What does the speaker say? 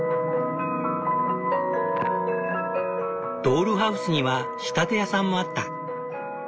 ドールハウスには仕立て屋さんもあった。